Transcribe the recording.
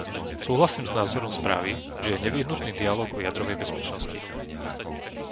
Súhlasím s názorom správy, že je nevyhnutný dialóg o jadrovej bezpečnosti.